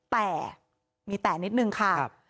แต่มีแต่นิดนึงค่ะ